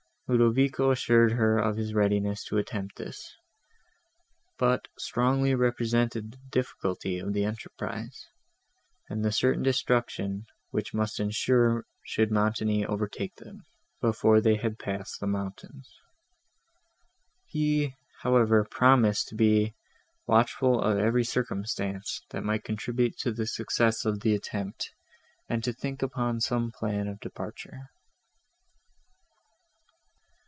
Ludovico assured her of his readiness to attempt this, but strongly represented the difficulty of the enterprise, and the certain destruction which must ensue, should Montoni overtake them, before they had passed the mountains; he, however, promised to be watchful of every circumstance, that might contribute to the success of the attempt, and to think upon some plan of departure.